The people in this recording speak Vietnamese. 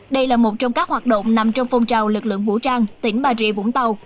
đây là một trong các hoạt động nằm trong phong trào lực lượng vũ trang tỉnh bà rịa vũng tàu